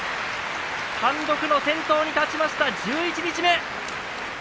単独の先頭に立ちました十一日目。